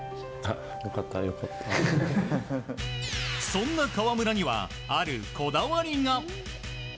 そんな河村にはあるこだわりが。